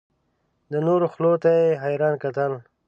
د نورو خولو ته یې حیران کتل.